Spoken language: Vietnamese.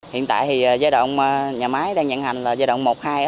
hiện tại thì giai đoạn nhà máy đang nhận hành là giai đoạn một hai